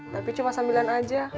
tapi cuma sambilan aja